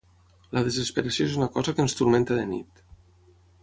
La desesperació és una cosa que ens turmenta de nit.